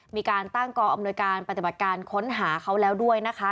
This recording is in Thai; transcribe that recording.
มีการตั้งกอำนวยการปฏิบัติการค้นหาเขาแล้วด้วยนะคะ